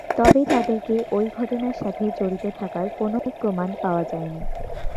তবে তাদেরকে ঐ ঘটনার সাথে জড়িত থাকার কোন প্রমাণ পাওয়া যায়নি।